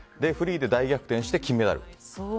フリーで大逆転して金メダル。